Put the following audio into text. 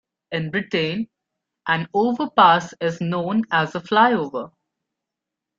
In Britain, an overpass is known as a flyover